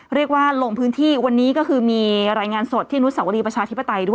ลงพื้นที่วันนี้ก็คือมีรายงานสดที่อนุสวรีประชาธิปไตยด้วย